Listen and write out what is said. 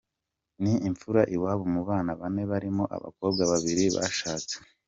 Ni imfura iwabo mu bana bane barimo abakobwa babiri bashatse.